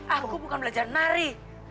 aku bukan belajar nari